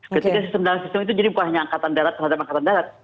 ketika sistem dalam sistem itu jadi bukan hanya angkatan darat terhadap angkatan darat